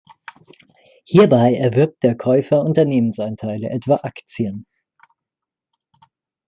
Hierbei erwirbt der Käufer Unternehmensanteile, etwa Aktien.